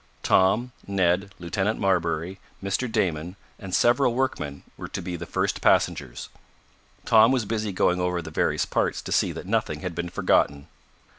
Tom, Ned, Lieutenant Marbury, Mr. Damon, and several workmen were to be the first passengers. Tom was busy going over the various parts to see that nothing had been forgotten.